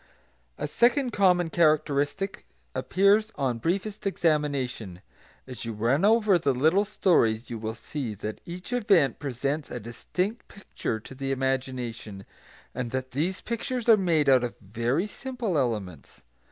A second common characteristic appears on briefest examination. As you run over the little stories you will see that each event presents a distinct picture to the imagination, and that these pictures are made out of very simple elements.